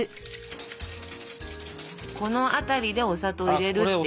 この辺りでお砂糖入れるっていう。